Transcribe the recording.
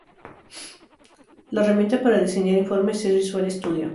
La herramienta para diseñar informes es Visual Studio.